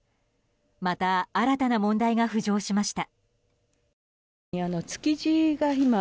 また新たな問題が浮上しました。